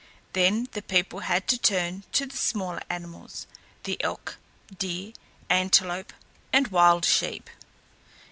Then the people had to turn to the smaller animals the elk, deer, antelope, and wild sheep.